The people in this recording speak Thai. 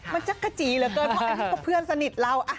มันจักรจีเหลือเกินเพราะอันนี้ก็เพื่อนสนิทเรา